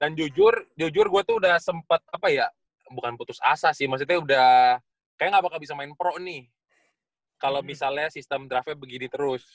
dan jujur jujur gua tuh udah sempet apa ya bukan putus asa sih maksudnya udah kayak nggak bakal bisa main pro nih kalau misalnya sistem draftnya begini terus